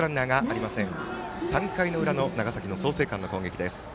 ３回の裏の長崎の創成館の攻撃です。